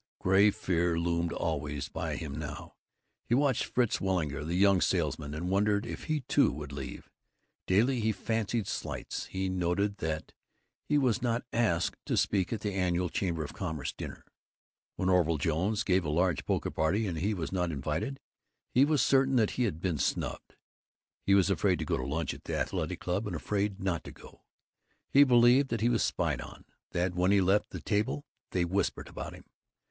Gray fear loomed always by him now. He watched Fritz Weilinger, the young salesman, and wondered if he too would leave. Daily he fancied slights. He noted that he was not asked to speak at the annual Chamber of Commerce dinner. When Orville Jones gave a large poker party and he was not invited, he was certain that he had been snubbed. He was afraid to go to lunch at the Athletic Club, and afraid not to go. He believed that he was spied on; that when he left the table they whispered about him.